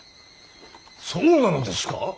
そうなのですか！